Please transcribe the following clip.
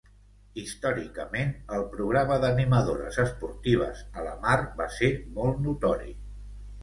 Històricament, el programa d'animadores esportives a Lamar va ser molt notori.